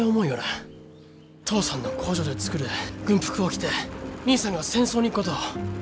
父さんの工場で作る軍服を着て兄さんが戦争に行くことを。